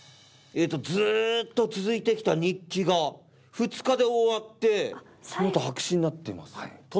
ずーっと続いてきた日記が２日で終わってその後白紙になってますね。